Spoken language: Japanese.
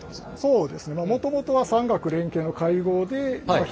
そうですね。